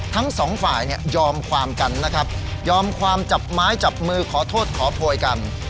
ทั้งสองฝ่ายเนี่ยยอมความกันนะครับยอมความจับไม้จับมือขอโทษขอโพยกัน